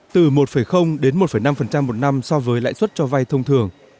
từ một đến một năm một năm so với lãi suất cho vay thông thường